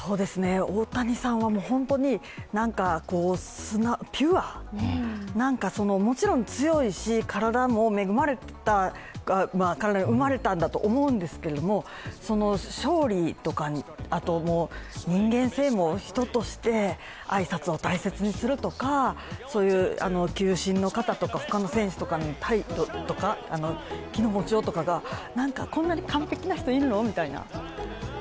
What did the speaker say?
大谷さんは本当にピュア、もちろん強いし、恵まれた体に生まれたんだと思うんですけど、勝利とか、人間性も人として挨拶を大切にするとか球審の方とか他の選手への態度とか気の持ちようとかが、こんなに完璧な人、いるのみたいな。